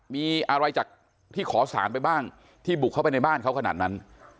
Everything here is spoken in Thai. มีอะไรจากที่ขอสารไปบ้างที่บุกเข้าไปในบ้านเขาขนาดนั้น